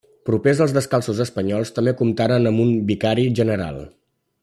Propers als descalços espanyols, també comptaren amb un vicari general.